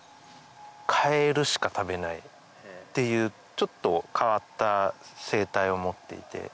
ちょっと変わった生態を持っていて。